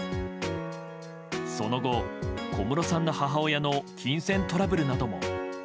その後、小室さんの母親の金銭トラブルなども。